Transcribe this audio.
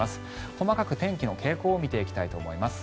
細かく天気の傾向を見ていきたいと思います。